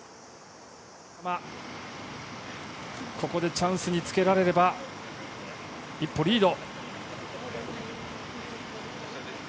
ここでチャンスにつけられれば、一歩リード。